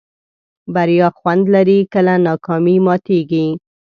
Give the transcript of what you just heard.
بریا خوند لري کله ناکامي ماتېږي.